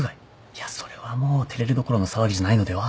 いやそれはもう照れるどころの騒ぎじゃないのでは？